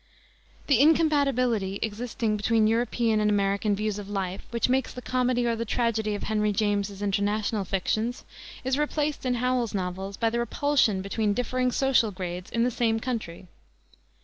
The incompatibility existing between European and American views of life, which makes the comedy or the tragedy of Henry James's international fictions, is replaced in Howells's novels by the repulsion between differing social grades in the same country.